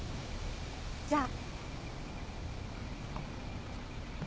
じゃあ。